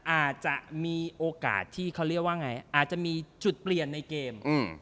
อาจจะมีโอกาสที่เขาเรียกว่าไงอาจจะมีจุดเปลี่ยนในเกม